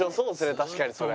確かにそれ。